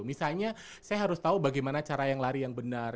misalnya saya harus tahu bagaimana cara yang lari yang benar